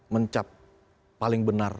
mencap paling benar